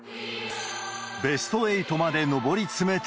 ベスト８まで上り詰めた